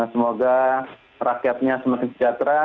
semoga rakyatnya semakin sejahtera